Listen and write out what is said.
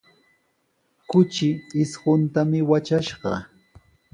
Kuchi isquntami watrashqa.